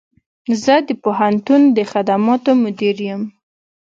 زه د پوهنتون د خدماتو مدیر یم